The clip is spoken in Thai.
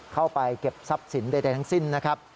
เข้าไปเก็บทรัพย์สินใดทั้งสิ้นนะครับ